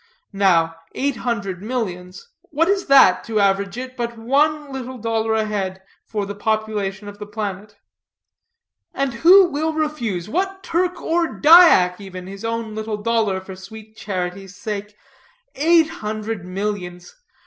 Now eight hundred millions what is that, to average it, but one little dollar a head for the population of the planet? And who will refuse, what Turk or Dyak even, his own little dollar for sweet charity's sake? Eight hundred millions!